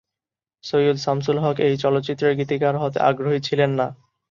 সৈয়দ শামসুল হক এই চলচ্চিত্রের গীতিকার হতে আগ্রহী ছিলেন না।